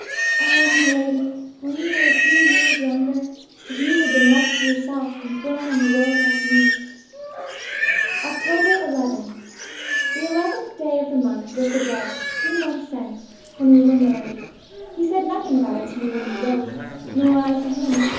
Ah, my lady, when you were a few years younger, if you had been left to yourself, and thrown on the world like me " "October 11th. The eleventh day of the month was the day (two months since) when we were married. He said nothing about it to me when we woke, nor I to him.